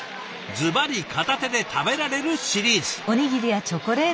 ずばり片手で食べられるシリーズ。